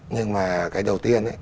nhưng mà cái đầu tiên